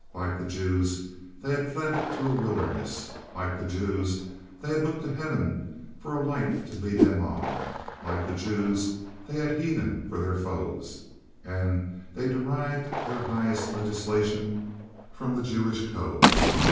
Like the Jews, they had fled to a wilderness. Like the Jews, they had looked to heaven for a light to lead them on. Like the Jews, they had heathen for their foes, and they derived their highest legislation from the Jewish code.